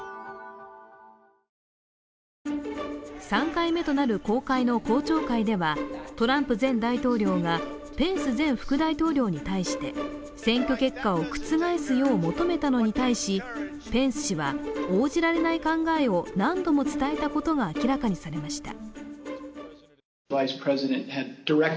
３回目となる公開の公聴会ではトランプ前大統領がペンス前副大統領に対して、選挙結果を覆すよう求めたのに対しペンス氏は応じられない考えを何度も伝えたことが明らかにされました。